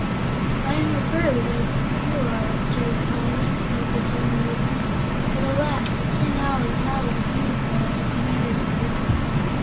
"I am a bird, as you are, dear Poly," said the Tin Woodman; "but, alas! a Tin Owl is not as beautiful as a Canary Bird."